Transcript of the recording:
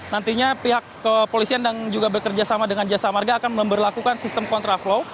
nantinya pihak kepolisian dan juga bekerja sama dengan jasa marga akan memperlakukan sistem kontraflow